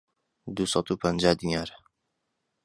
دوو سەد و پەنجا دینار